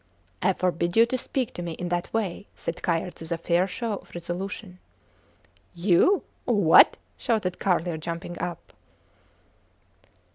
I forbid you to speak to me in that way, said Kayerts with a fair show of resolution. You! What? shouted Carlier, jumping up.